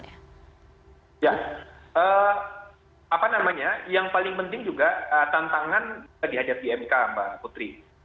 apa namanya yang paling penting juga tantangan dihajar di mk mbak putri